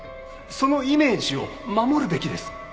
そのイメージを守るべきです。